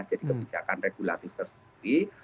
jadi kebijakan regulatif tersendiri